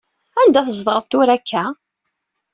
Anda i tzedɣeḍ tura akka?